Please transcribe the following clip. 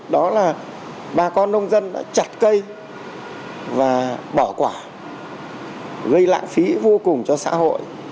đó là bà con nông dân đã chặt cây và bỏ quả gây lãng phí vô cùng cho xã hội